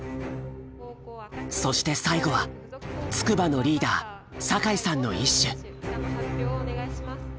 そして最後は筑波のリーダー酒井さんの一首。